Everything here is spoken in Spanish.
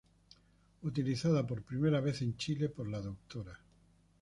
Utilizada por primera vez en Chile por la Dra.